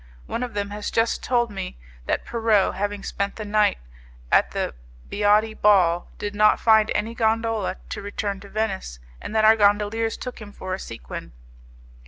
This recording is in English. One of them has just told me that Pierrot, having spent the night at the Briati ball, did not find any gondola to return to Venice, and that our gondoliers took him for a sequin.